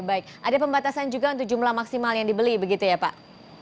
baik ada pembatasan juga untuk jumlah maksimal yang dibeli begitu ya pak